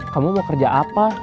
kamu mau kerja apa